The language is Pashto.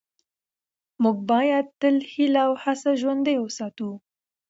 موږ باید تل هیله او هڅه ژوندۍ وساتو